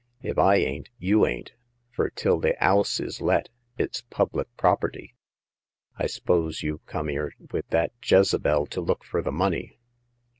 " If I ain't, you ain't, fur till the 'ouse is let it's public property. I s'pose you've come 'ere with that Jezebel to look fur the money